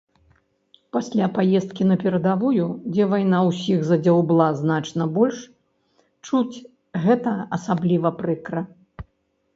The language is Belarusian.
Пасля паездкі на перадавую, дзе вайна ўсіх задзяўбла значна больш, чуць гэта асабліва прыкра.